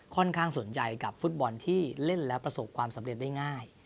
ข้างสนใจกับฟุตบอลที่เล่นแล้วประสบความสำเร็จได้ง่าย